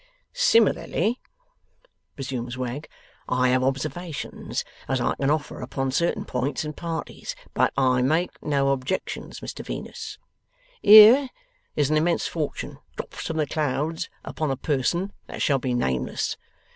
'Similarly,' resumes Wegg, 'I have observations as I can offer upon certain points and parties; but I make no objections, Mr Venus. Here is an immense fortune drops from the clouds upon a person that shall be nameless.